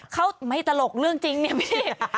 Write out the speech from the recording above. เขาไม่ตลกเรื่องจริงเนี่ยพี่